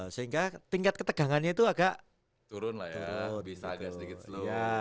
sehingga tingkat ketegangannya itu agak turun lah ya agak sedikit seluas